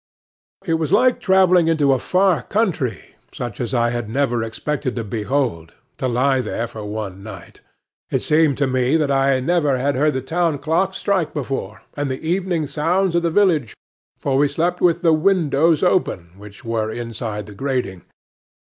It was like travelling into a far country, such as I had never expected to behold, to lie there for one night. It seemed to me that I never had heard the town clock strike before, nor the evening sounds of the village; for we slept with the windows open, which were inside the grating.